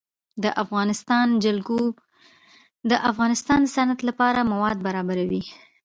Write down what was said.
د افغانستان جلکو د افغانستان د صنعت لپاره مواد برابروي.